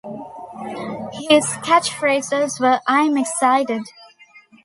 His catchphrases were I'm excited!